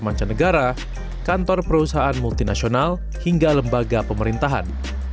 dari kawasan besar mancanegara kantor perusahaan multinasional hingga lembaga pemerintahan